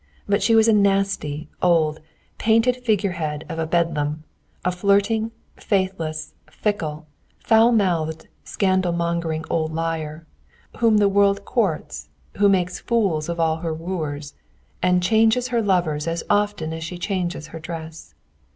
But she was a nasty, old, painted figure head of a beldame; a flirting, faithless, fickle, foul mouthed, scandal mongering old liar, whom the whole world courts, who makes fools of all her wooers, and changes her lover as often as she changes her dress.